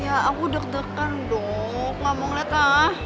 ya aku deg degan dong ngomong leka